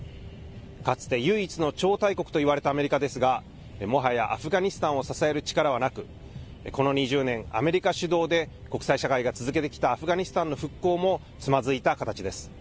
かつて唯一の超大国と言われたアメリカですが、もはやアフガニスタンを支える力はなく、この２０年、アメリカ主導で国際社会が続けてきたアフガニスタンの復興もつまずいた形です。